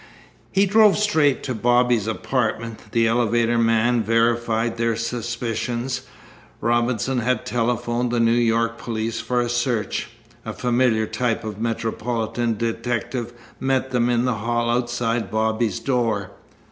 He drove straight to Bobby's apartment. The elevator man verified their suspicions. Robinson had telephoned the New York police for a search. A familiar type of metropolitan detective met them in the hall outside Bobby's door.